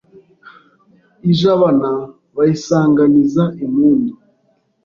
I Jabana bayisanganiza impundu